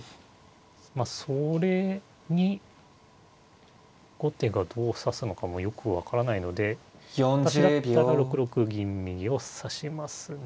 まあそれに後手がどう指すのかもよく分からないので私だったら６六銀右を指しますね。